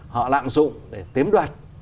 họ lạm dụng để tím đoạt